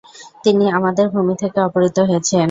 তিনি আমাদের ভূমি থেকে অপহৃত হয়েছেন"।